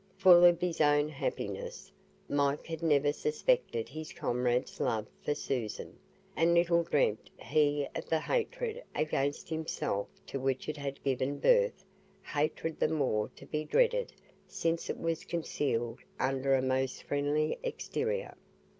Full of his own happiness, Mike had never suspected his comrade's love for Susan, and little dreamt he of the hatred against himself to which it had given birth hatred the more to be dreaded since it was concealed under a most friendly exterior.